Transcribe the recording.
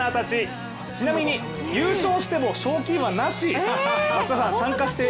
ちなみに優勝しても賞金はなし。